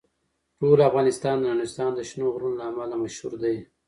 ټول افغانستان د نورستان د شنو غرونو له امله مشهور دی.